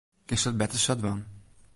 Kinst it better sa dwaan.